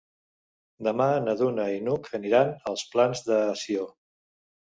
Demà na Duna i n'Hug aniran als Plans de Sió.